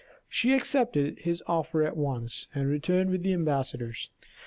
She accepted his offer at once, and returned with the ambassadors.